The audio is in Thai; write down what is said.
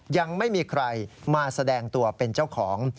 ยังไม่มีใครมาแสดงตัวเป็นเจ้าของ